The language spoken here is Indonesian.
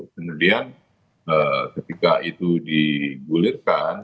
kemudian ketika itu digulirkan